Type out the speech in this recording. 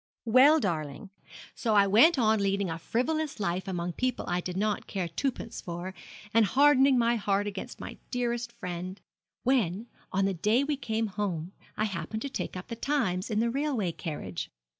'Well, darling, so I went on leading a frivolous life among people I did not care twopence for, and hardening my heart against my dearest friend, when, on the day we came home, I happened to take up the Times in the railway carriage.